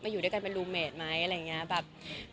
มาอยู่ด้วยกันเป็นรูโมเมฆไหมอะไรอย่างเงี้ย